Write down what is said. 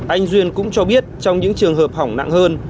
anh duyên cũng cho biết trong những trường hợp hỏng nặng hơn